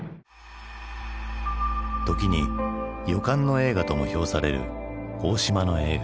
時に「予感の映画」とも評される大島の映画。